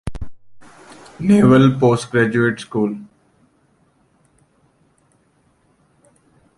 Naval Postgraduate School.